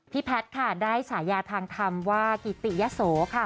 แพทย์ค่ะได้ฉายาทางธรรมว่ากิติยะโสค่ะ